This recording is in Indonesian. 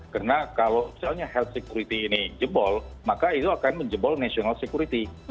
karena kalau health security ini jebol maka itu akan menjebol national security